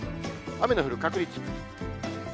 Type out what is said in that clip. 雨の降る確率。